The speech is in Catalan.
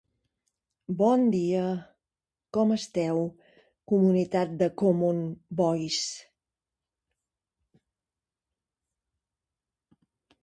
Actualment dirigix el Social Sol de la Lliga Nacional d'Hondures.